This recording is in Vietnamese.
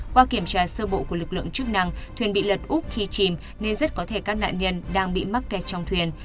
qua kiểm tra sơ bộ của lực lượng chức năng thuyền bị lật úp khi chìm nên rất có thể các nạn nhân đang bị mắc kẹt trong thuyền